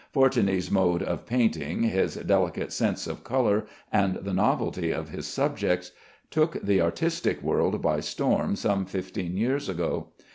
Fortuny's mode of painting, his delicate sense of color, and the novelty of his subjects, took the artistic world by storm some fifteen years ago.